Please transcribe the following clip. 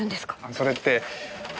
それって。